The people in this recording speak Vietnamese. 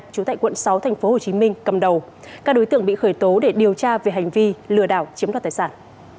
chủ tại quận sáu tp hcm cầm đầu các đối tượng bị khởi tố để điều tra về hành vi lừa đảo chiếm đoạt tài sản